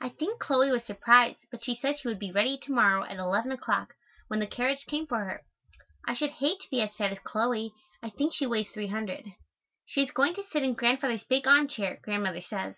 I think Chloe was surprised, but she said she would be ready, to morrow, at eleven o'clock, when the carriage came for her. I should hate to be as fat as Chloe. I think she weighs 300. She is going to sit in Grandfather's big arm chair, Grandmother says.